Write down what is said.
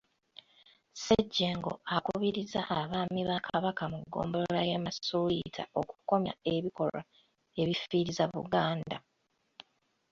Ssejjengo akubirizza Abaami ba Kabaka mu ggombolola y’e Masuuliita okukomya ebikolwa ebifiiriza Buganda.